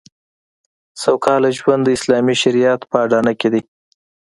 سوکاله ژوند د اسلامي شریعت په اډانه کې دی